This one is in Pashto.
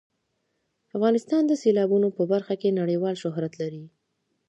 افغانستان د سیلابونه په برخه کې نړیوال شهرت لري.